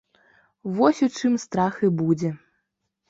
Вось у чым страх і будзе!